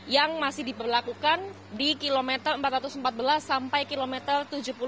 yang masih diberlakukan di kilometer empat ratus empat belas sampai kilometer tujuh puluh enam